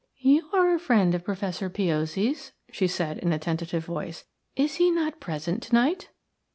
"You are a friend of Professor Piozzi's?" she said, in a tentative voice. "Is he not present to night?"